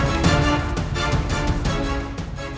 dan itu adalah